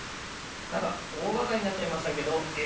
なんかおおがかりになっちゃいましたけどえ